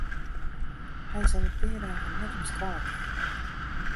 Hy is al in pear dagen net op skoalle kaam.